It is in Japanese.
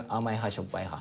しょっぱい派？